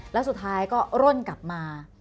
แล้วสุดท้ายก็ร่นกลับมา